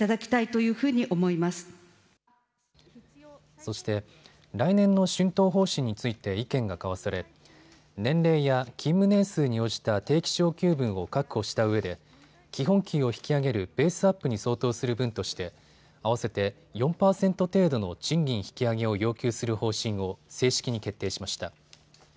そして、来年の春闘方針について意見が交わされ年齢や勤務年数に応じた定期昇給分を確保したうえで基本給を引き上げるベースアップに相当する分として合わせて４％程度の賃金引き上げを要求する方針を正式に決定しました。